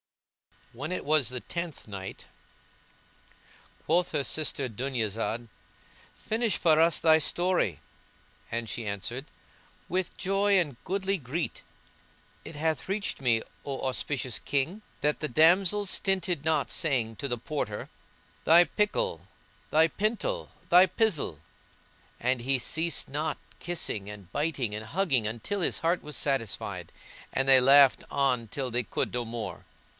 When it was the Tenth Night, Quoth her sister Dunyazad, "Finish for us thy story;" and she answered, "With joy and goodly gree." It hath reached me, O auspicious King, that the damsels stinted not saying to the Porter "Thy prickle, thy pintle, thy pizzle," and he ceased not kissing and biting and hugging until his heart was satisfied, and they laughed on till they could no more.